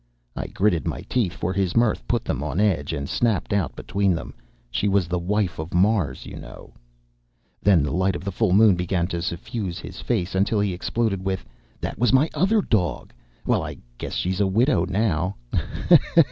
I gritted my teeth, for his mirth put them on edge, and snapped out between them, "She was the wife of Mars, you know." Then the light of the full moon began to suffuse his face, until he exploded with: "That was my other dog. Well, I guess she's a widow now.